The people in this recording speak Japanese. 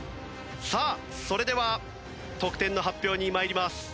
さあそれでは得点の発表に参ります。